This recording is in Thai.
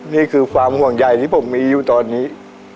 นี่คือความห่วงใหญ่ที่ผมมีอยู่ตอนนี้